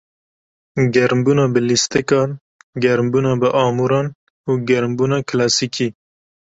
Germbûna bi lîstikan, germbûna bi amûran û germbûna kilasîkî.